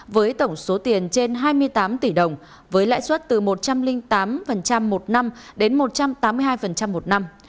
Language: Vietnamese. với tổng số tiền trên hai mươi tám tỷ đồng với lãi suất từ một trăm linh tám một năm đến một trăm tám mươi hai một năm